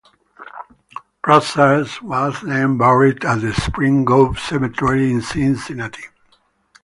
Prosser was then buried at the Spring Grove Cemetery in Cincinnati.